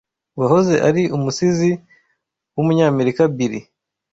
uwahoze ari Umusizi w’umunyamerika Bili